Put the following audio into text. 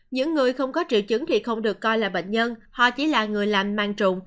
những người không có triệu chứng thì không được coi là bệnh nhân họ chỉ là người làm man trụng